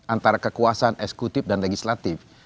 antara kekuasaan eksekutif dan legislatif